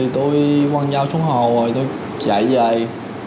tôi chạy dậy